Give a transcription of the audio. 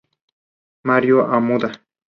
El tratamiento depende de la causa del síndrome.